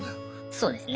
そうですね。